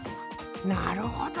なるほど！